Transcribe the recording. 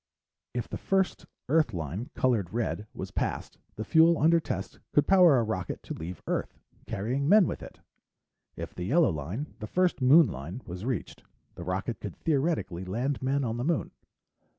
If the first Earth line, colored red, was passed, the fuel under test could power a rocket to leave Earth, carrying men with it. If the yellow line the first Moon line was reached, the rocket could theoretically land men on the Moon.